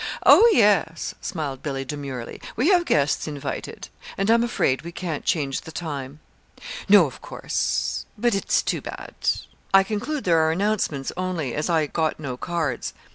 "Oh, yes," smiled Billy, demurely. "We have guests invited and I'm afraid we can't change the time." "No, of course not; but it's too bad. I conclude there are announcements only, as I got no cards.